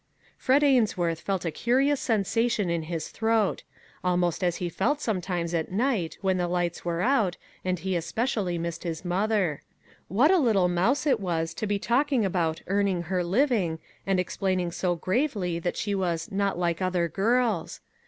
Fred Ainsworth felt a curious sensation in his throat ; almost as he felt sometimes at night when the lights were out, and he especially missed his mother. What a little mouse it was to be talking about " earning her living," and explaining so gravely that she was " not like 60 "I'LL DO MY VERY BEST" other girls !